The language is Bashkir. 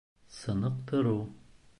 Сыныҡтырыу